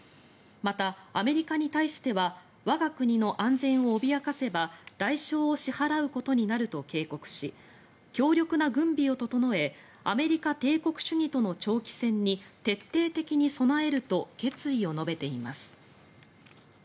またアメリカに対しては我が国の安全を脅かせば代償を支払うことになると警告し強力な軍備を整えアメリカ帝国主義との長期戦に徹底的に備えると決意を述べています。